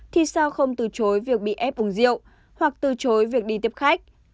thì sao không từ chối việc bị ép uống rượu hoặc từ chối việc đi tiếp khách